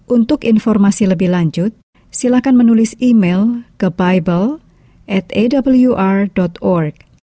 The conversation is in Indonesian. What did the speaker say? untuk informasi lebih lanjut silahkan menulis email ke bible atawr org